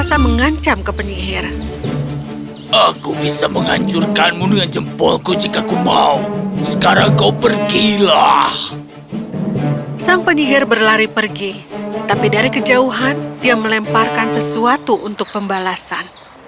sang penyihir berlari pergi tapi dari kejauhan dia melemparkan sesuatu untuk pembalasan